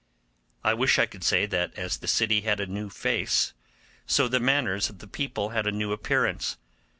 I wish I could say that as the city had a new face, so the manners of the people had a new appearance.